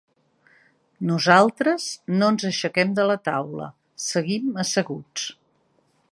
Nosaltres no ens aixequem de la taula, seguim asseguts.